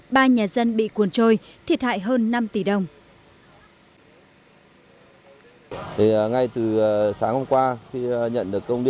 ba nhà dân bị cuốn trôi thiệt hại hơn năm tỷ đồng